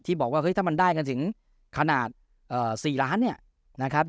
ที่บอกว่าเฮ้ยถ้ามันได้กันถึงขนาดเอ่อสี่ล้านเนี้ยนะครับ